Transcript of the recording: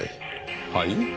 はい？